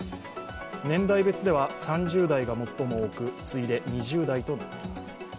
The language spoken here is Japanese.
年代別では３０代が最も多く次いで２０代となっています。